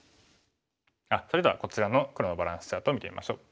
それではこちらの黒のバランスチャートを見てみましょう。